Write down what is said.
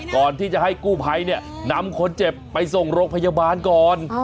ก่อนที่จะให้กู้ภัยเนี่ยนำคนเจ็บไปส่งโรงพยาบาลก่อน